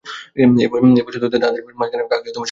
এই বাসাতে তাহাদের মাঝখানে কাকাকে শৈলেন রাখিতে পারিল না।